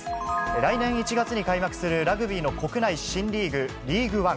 来年１月に開幕するラグビーの国内新リーグ、リーグワン。